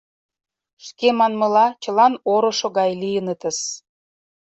— Шке манмыла, чылан орышо гай лийынытыс.